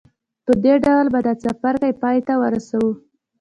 په دې ډول به دا څپرکی پای ته ورسوو.